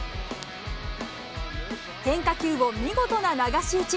変化球を見事な流し打ち。